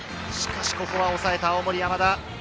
しかしここはおさえた、青森山田。